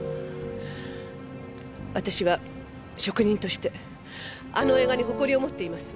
私は職人としてあの映画に誇りを持っています！